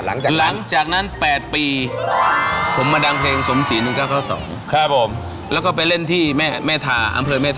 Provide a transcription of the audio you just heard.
หลังจากนั้น